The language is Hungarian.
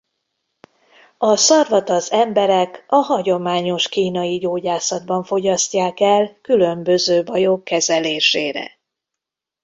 A szarvat az emberek a hagyományos kínai gyógyászatban fogyasztják el különböző bajok kezelésére.